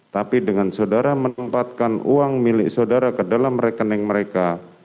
tapi dengan saudara menempatkan uang milik saudara ke dalam rekening mereka